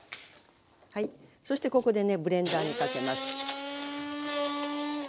はいそしてここでねブレンダーにかけます。